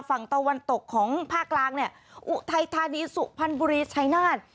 ฝั่งตะวันตกของภาคล้างเนี่ยอุไททานีสุพันธ์บุรีชัยนาศ